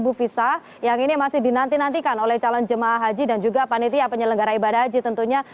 bu visa yang ini masih dinantikan oleh calon jemaah haji dan juga panitia penyelenggara ibadah haji tentunya